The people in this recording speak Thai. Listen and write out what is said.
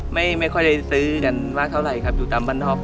ไม่ค่อยได้ซื้อกันมากเท่าไหร่ครับอยู่ตามบ้านนอก